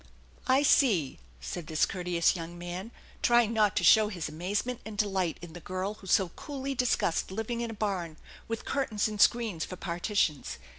"I see," said this courteous young man, trying not to show his amazement and delight in the girl who so coolly discussed living in a barn with curtains and screens for par* titions.